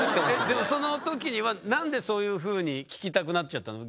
でもその時には何でそういうふうに聞きたくなっちゃったの？